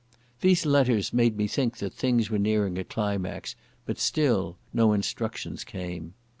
These letters made me think that things were nearing a climax, but still no instructions came.